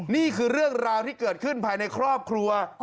นี่คือเรื่องราวที่เกิดขึ้นภายในครอบครัว